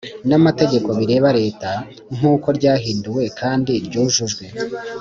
n amategeko bireba Leta nk uko ryahinduwe kandi ryujujwe